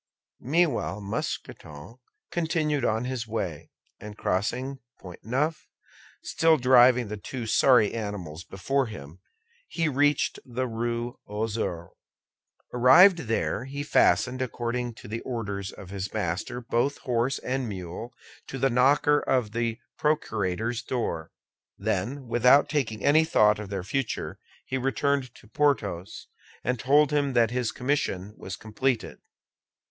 Meanwhile Mousqueton continued on his way, and crossing the Pont Neuf, still driving the two sorry animals before him, he reached the Rue aux Ours. Arrived there, he fastened, according to the orders of his master, both horse and mule to the knocker of the procurator's door; then, without taking any thought for their future, he returned to Porthos, and told him that his commission was completed.